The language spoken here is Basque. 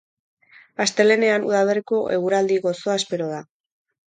Astelehenean udaberriko eguraldi gozoa espero da.